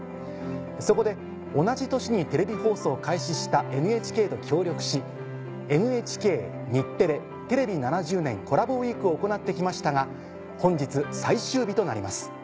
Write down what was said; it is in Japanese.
そこで同じ年にテレビ放送を開始したＮＨＫと協力し「ＮＨＫ×日テレテレビ７０年コラボウイーク」を行ってきましたが本日最終日となります。